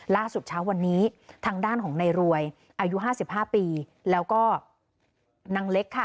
เช้าวันนี้ทางด้านของในรวยอายุ๕๕ปีแล้วก็นางเล็กค่ะ